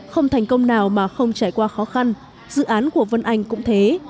không thành công nào mà không trải qua khó khăn dự án của vân anh cũng thế